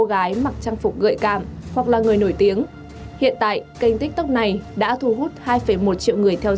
vậy là không cần trả lời